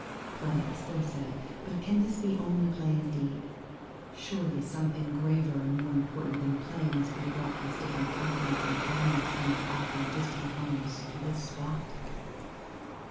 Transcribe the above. Play, I still say; but can this be only play indeed? Surely something graver and more important than play must have brought these different companies and families from their often distant homes, to this spot?